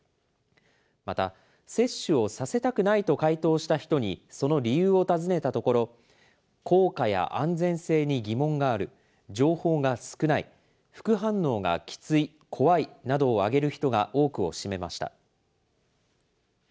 また、接種をさせたくないと回答した人に、その理由を尋ねたところ、効果や安全性に疑問がある、情報が少ない、副反応がきつい、怖いなどを挙げる人が多くを占めました。